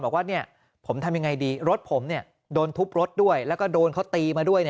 บอกว่าผมทำยังไงดีรถผมโดนทุบรถด้วยแล้วก็โดนเขาตีมาด้วย